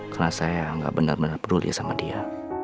karena saya gak benar benar peduli sama dia